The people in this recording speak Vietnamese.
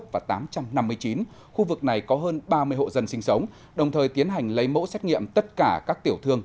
và tám trăm năm mươi chín khu vực này có hơn ba mươi hộ dân sinh sống đồng thời tiến hành lấy mẫu xét nghiệm tất cả các tiểu thương